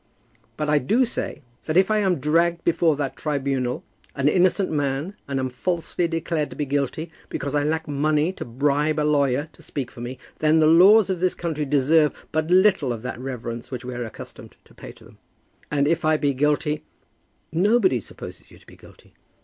But I do say that if I am dragged before that tribunal, an innocent man, and am falsely declared to be guilty, because I lack money to bribe a lawyer to speak for me, then the laws of this country deserve but little of that reverence which we are accustomed to pay to them. And if I be guilty " "Nobody supposes you to be guilty."